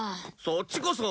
そっちこそ。